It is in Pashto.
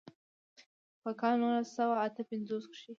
پۀ کال نولس سوه اتۀ پنځوستم کښې ئې